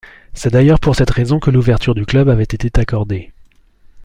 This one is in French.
C'est d'ailleurs pour cette raison que l'ouverture du club avait été accordée.